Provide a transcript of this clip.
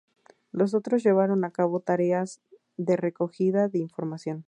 Los otros llevaron a cabo tareas de recogida de información.